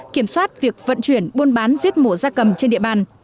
kiểm soát việc vận chuyển buôn bán giết mổ da cầm trên địa bàn